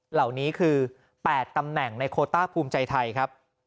เหล่านี้คือ๘ตำแหน่งในโคต้าภูมิใจไทยครับ